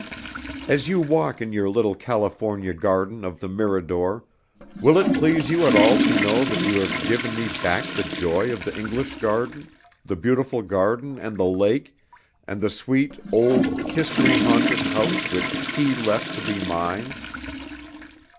"As you walk in your little California garden of the Mirador, will it please you at all to know that you have given me back the joy of the English garden, the beautiful garden and the lake, and the sweet, old, history haunted house which he left to be mine?